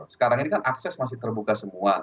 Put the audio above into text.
sekarang ini kan akses masih terbuka semua